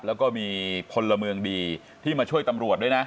แล้วก็มีพลเมืองดีที่มาช่วยตำรวจด้วยนะ